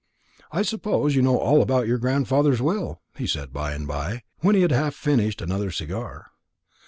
"I suppose you know all about your grandfather's will?" he said by and by, when he had half finished another cigar.